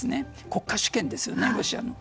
国家主権ですよね、ロシアの。